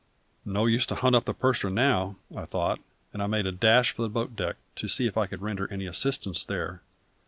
"No use to hunt up the purser, now," I thought; and I made a dash for the boat deck, to see if I could render any assistance there.